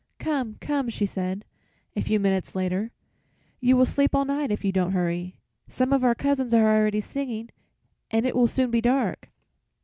"Come, come," she said, a few minutes later, "you will sleep all night if you don't hurry. Some of our cousins are already singing, and it will soon be dark."